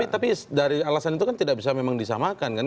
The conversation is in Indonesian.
tapi dari alasan itu kan tidak bisa memang disamakan kan